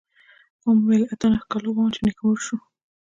ومې ويل د اتو نهو کالو به وم چې نيکه مړ سو.